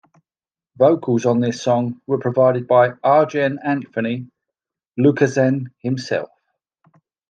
Vocals on this song were provided by Arjen Anthony Lucassen himself.